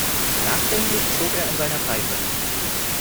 Nachdenklich zog er an seiner Pfeife.